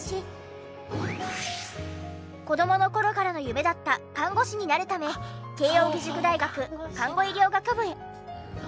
子どもの頃からの夢だった看護師になるため慶應義塾大学看護医療学部へ。